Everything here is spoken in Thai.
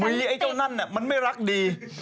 มือแย่ไอ้เจ้านั่นน่ะมันไม่รักดี